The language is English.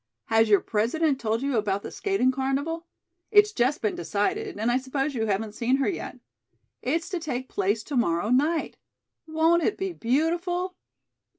"Has your President told you about the skating carnival? It's just been decided, and I suppose you haven't seen her yet. It's to take place to morrow night. Won't it be beautiful?"